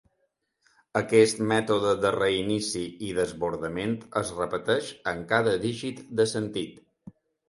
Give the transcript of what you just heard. Aquest mètode de reinici i desbordament es repeteix en cada dígit de sentit.